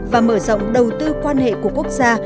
và mở rộng đầu tư quan hệ của quốc gia